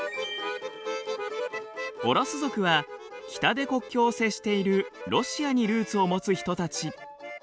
オロス族は北で国境を接しているロシアにルーツを持つ人たち。